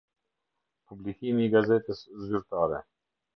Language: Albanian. Publikimi i Gazetës Zyrtare.